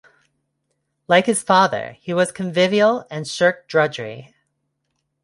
Like his father, he was convivial and shirked drudgery.